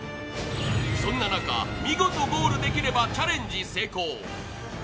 そんな中、見事ゴールできればチャレンジ成功。